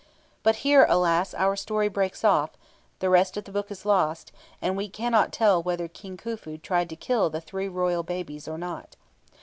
But here, alas! our story breaks off; the rest of the book is lost, and we cannot tell whether King Khufu tried to kill the three royal babies or not.